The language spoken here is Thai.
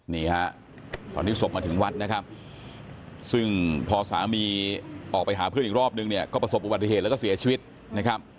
นี่ฮะตอนที่ศพมาถึงวัดนะครับซึ่งพอสามีออกไปหาเพื่อนอีกรอบนึงเนี่ยก็ประสบอุบัติเหตุแล้วก็เสียชีวิตนะครับ